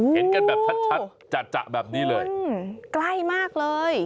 เห็นกันแบบชัดจะแบบนี้เลยใกล้มากเลย